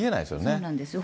そうなんですよ。